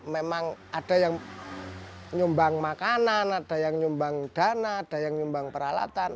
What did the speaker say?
memang ada yang nyumbang makanan ada yang nyumbang dana ada yang nyumbang peralatan